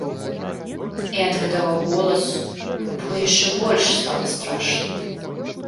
І ад гэтага голасу папу яшчэ больш стала страшна.